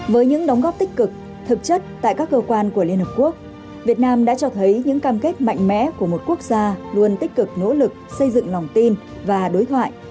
với những đóng góp tích cực thực chất tại các cơ quan của liên hợp quốc việt nam đã cho thấy những cam kết mạnh mẽ của một quốc gia luôn tích cực nỗ lực xây dựng lòng tin và đối thoại